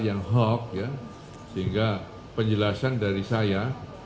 yang hoax ya sehingga penjelasan dari saya